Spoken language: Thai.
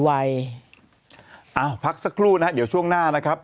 เอาพักสักครู่นะฮะเดี๋ยวช่วงหน้านะครับ